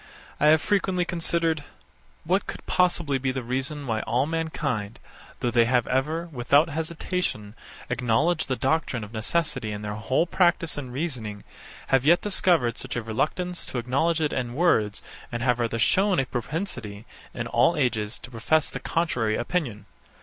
71. I have frequently considered, what could possibly be the reason why all mankind, though they have ever, without hesitation, acknowledged the doctrine of necessity in their whole practice and reasoning, have yet discovered such a reluctance to acknowledge it in words, and have rather shown a propensity, in all ages, to profess the contrary opinion.